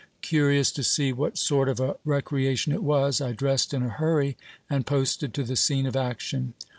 Curious to see what sort of a recreation it was, I dressed in a hurry, and posted to the scene of action.